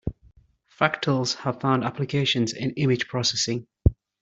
Fractals have found applications in image processing.